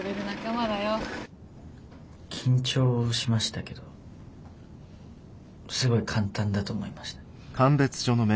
緊張しましたけどすごい簡単だと思いました。